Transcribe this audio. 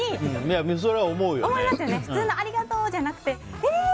普通のありがとうじゃなくてえー！